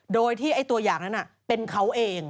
โดยที่ไอ้ตัวอย่างนั้นเป็นเขาเอง